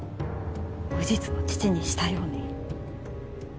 無実の父にしたように。